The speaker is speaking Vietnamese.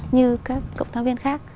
như các cộng tác viên khác